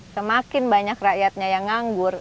semakin banyak rakyatnya yang nganggur